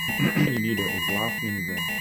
The union leader is Lars Lindgren.